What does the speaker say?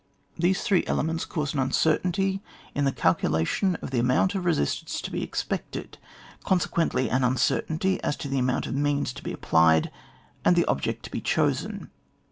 These three elements cause an uncer tainty in the calculation of the amount of resistance to be expected, consequently an uncertainty as to the amount of means to be applied and the object to be chosen.